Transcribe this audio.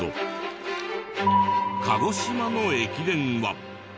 鹿児島の駅伝は。